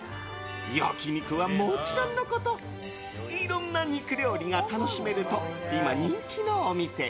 焼き肉はもちろんのこといろんな肉料理が楽しめると今人気のお店。